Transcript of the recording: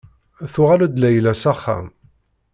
Tuɣal-d Layla s axxam.